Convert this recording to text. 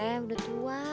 eh menurut gua